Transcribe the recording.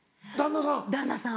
旦那さん？